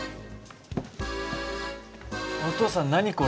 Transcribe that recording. お父さん何これ？